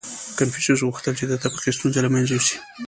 • کنفوسیوس غوښتل، چې د طبقې ستونزه له منځه یوسي.